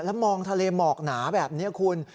แล้วมองทะเลหมอกหนาแบบนี้คุณ